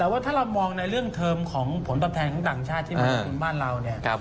แต่ว่าถ้าเรามองในเรื่องเทอมของผลตอบแทนของต่างชาติที่มาลงทุนบ้านเราเนี่ย